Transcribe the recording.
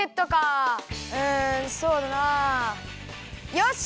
よし！